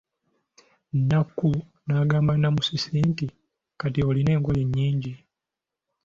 Nakku n'agamba Namusisi nti, kati olina engoye nnyingi.